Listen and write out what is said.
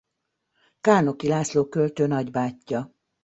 Kálnoky László költő nagybátyja.